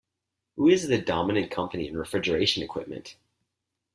Who is the dominant company in refrigeration equipment?